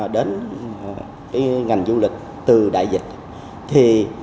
đến ngành du lịch từ đại dịch